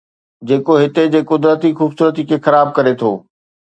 جيڪو هتي جي قدرتي خوبصورتي کي خراب ڪري ٿو